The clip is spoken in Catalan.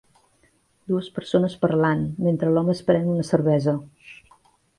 Dues persones parlant, mentre l'home es pren una cervesa.